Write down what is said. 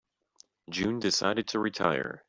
June decided to retire.